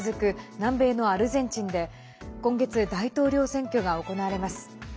南米のアルゼンチンで今月、大統領選挙が行われます。